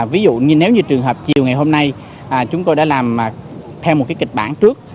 ví dụ như nếu như trường hợp chiều ngày hôm nay chúng tôi đã làm theo một cái kịch bản trước